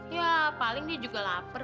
ya paling dia juga lapar